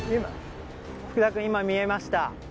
福田君今見えました。